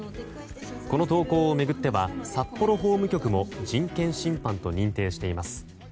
この投稿を巡っては札幌法務局も人権侵犯と認定しています。